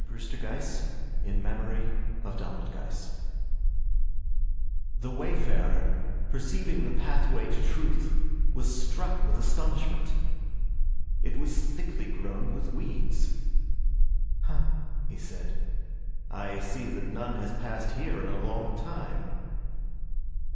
1900. By StephenCrane 1628 The Wayfarer THE WAYFARER, Perceiving the pathway to truth, Was struck with astonishment.It was thickly grown with weeds."Ha," he said,"I see that none has passed hereIn a long time."